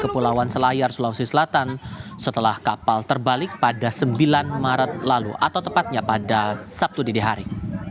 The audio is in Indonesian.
kepulauan selayar sulawesi selatan setelah kapal terbalik pada sembilan maret lalu atau tepatnya pada sabtu dinihari